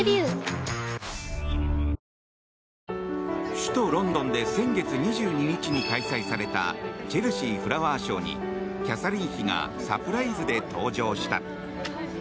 首都ロンドンで先月２２日に開催されたチェルシー・フラワー・ショーにキャサリン妃がサプライズで登場した。